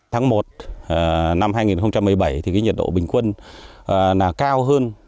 tháng một năm hai nghìn một mươi bảy thì nhiệt độ bình quân cao hơn